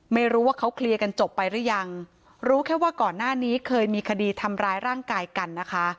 ไม่รู้ว่าเขาเคลียร์กันจบไปหรือยังรู้แค่ว่าก่อนหน้านี้เคยมีคดีทำร้ายร่างกายกันนะคะ